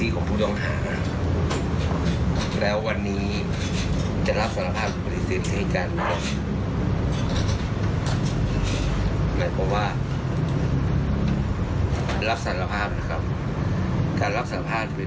การรับสารภาพจะเป็นผลดีอย่างไร